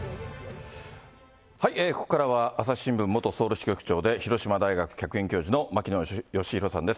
ここからは朝日新聞元ソウル支局長で広島大学客員教授の牧野愛博さんです。